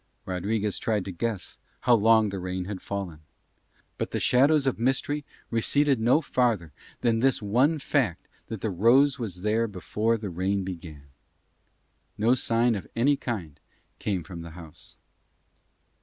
Rodriguez tried to guess how long the rain had fallen. The rose may have lain beside him all night long. But the shadows of mystery receded no farther than this one fact that the rose was there before the rain began. No sign of any kind came from the house.